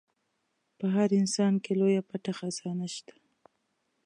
په هر انسان کې لويه پټه خزانه شته.